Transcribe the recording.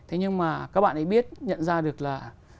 thế nhưng mà các bạn ấy biết nhận ra được là